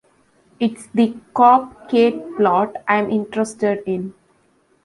It's the cop Kate plot I'm interested in.